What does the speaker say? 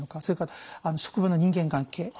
それから職場の人間関係。